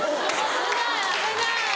危ない危ない。